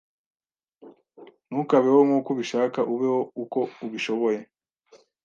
Ntukabeho nkuko ubishaka, ubeho uko ubishoboye.